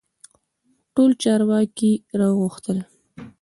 ټول چارواکي را وغوښتل.